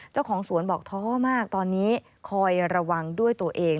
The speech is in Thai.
เจ้าของสวนบอกท้อมากตอนนี้คอยระวังด้วยตัวเอง